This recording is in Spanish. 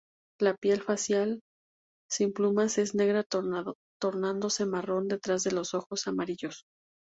La piel facial, sin plumas, es negra tornándose marrón detrás de los ojos amarillos.